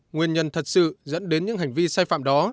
nguyên nhân thật sự dẫn đến những hành vi sai phạm đó